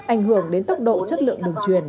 ảnh hưởng đến tốc độ chất lượng đường truyền